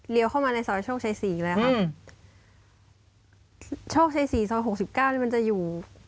เลี่ยวเข้ามาในซอยโชคชัยศรีเลยครับโชคชัยศรีซอยหกสิบเก้านี่มันจะอยู่